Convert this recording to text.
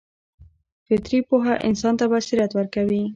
فطري پوهه انسان ته بصیرت ورکوي.